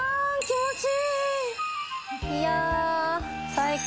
気持ちいい。